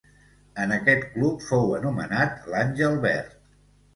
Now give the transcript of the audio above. En aquest club fou anomenat l'àngel verd.